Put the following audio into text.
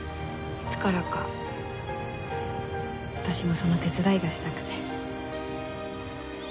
いつからか私もその手伝いがしたくて。